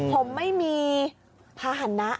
ผมไม่มีภาษณะ